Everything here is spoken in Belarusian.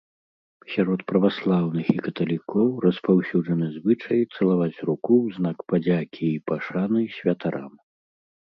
Сярод праваслаўных і каталікоў распаўсюджаны звычай цалаваць руку ў знак падзякі і пашаны святарам.